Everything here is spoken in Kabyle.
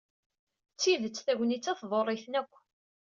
D tidet tagnit-a tḍurr-iten akk.